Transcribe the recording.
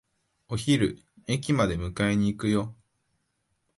お昼、駅まで迎えに行くよ。